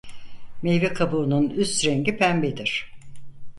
Meyve kabuğunun üst rengi pembedir.